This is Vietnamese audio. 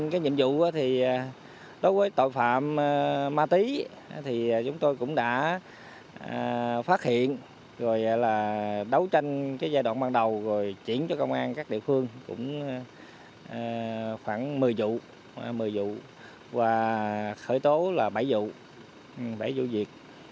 rồi là đấu tranh cái giai đoạn ban đầu rồi chuyển cho công an các địa phương cũng khoảng một mươi vụ và khởi tố là bảy vụ bảy vụ việc